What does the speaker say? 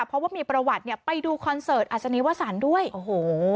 เพราะว่ามีประวัติเนี่ยไปดูคอนเสิร์ตอัศนีวสันด้วยโอ้โห